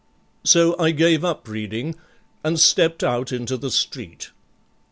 So I gave up reading and stepped out into the street.